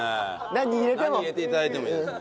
何入れて頂いてもいいですね。